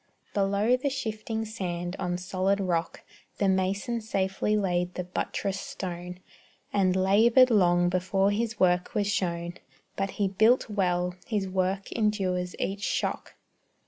Below the shifting sand, on solid rock, The mason safely laid the buttress stone, And labored long before his work was shown; But he built well his work endures each shock.